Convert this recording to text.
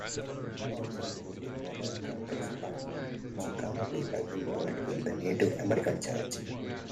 Also used in modern context by Chicano people involved in the Native American Church.